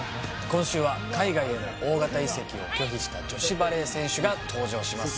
今週は海外への大型移籍を拒否した女子バレー選手が登場します